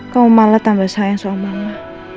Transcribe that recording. kau malah tambah sayang sama mama